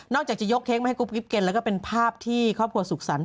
จากจะยกเค้กมาให้กุ๊กกิ๊บกินแล้วก็เป็นภาพที่ครอบครัวสุขสรรค